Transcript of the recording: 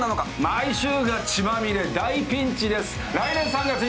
毎週が血まみれ、大ピンチです。